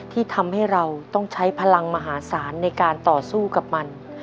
ที่ทำให้เราต้องใช้พลังมหาศาลในการต่อสู้กับมัน